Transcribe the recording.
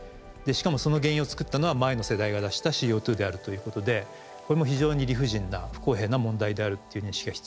しかもその原因を作ったのは前の世代が出したＣＯであるということでこれも非常に理不尽な不公平な問題であるっていう認識が必要だと思います。